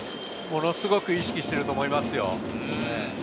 ものすごく意識していると思いますよ。